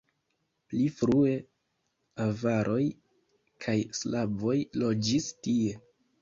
Pli frue avaroj kaj slavoj loĝis tie.